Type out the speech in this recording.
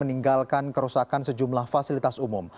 meninggalkan kerusakan sejumlah fasilitas umum